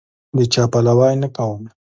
د چا پلوی نه کوم.